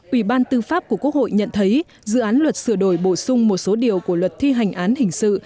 ủy ban tư pháp của quốc hội nhận thấy dự án luật sửa đổi bổ sung một số điều của luật thi hành án hình sự